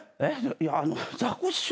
いやあのザコシショウ。